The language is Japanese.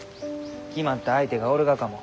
決まった相手がおるがかも。